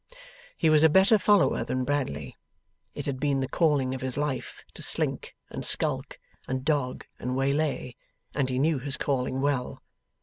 He was a better follower than Bradley. It had been the calling of his life to slink and skulk and dog and waylay, and he knew his calling well.